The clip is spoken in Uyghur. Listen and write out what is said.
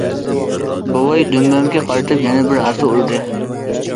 بوۋاي دۈمبەمگە قارىتىپ يەنە بىر ھاسا ئۇردى.